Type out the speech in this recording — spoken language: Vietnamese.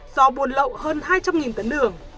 do buôn lậu hơn hai trăm linh tấn đường